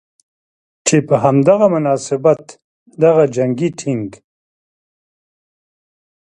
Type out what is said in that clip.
چې په هم دغه مناسبت دغه جنګي ټېنک